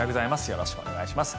よろしくお願いします。